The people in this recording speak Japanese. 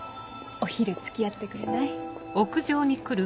お昼付き合ってくれない？